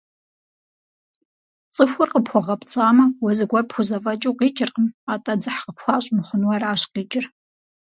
Цӏыхур къыпхуэгъэпцӏамэ, уэ зыгуэр пхузэфӏэкӏыу къикӏыркъым, атӏэ, дзыхь къыпхуащӏ мыхъуну аращ къикӏыр.